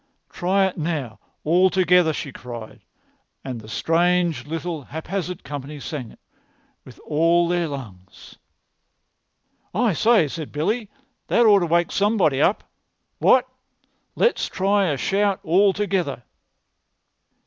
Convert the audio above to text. "Try it now all together," she cried; and the strange little haphazard company sang it with all their lungs. "I say," said Billy, "that ought to wake somebody up. What? Let's try a shout all together."